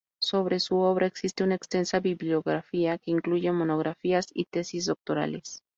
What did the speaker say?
Sobre su obra existe una extensa bibliografía que incluye monografías y tesis doctorales.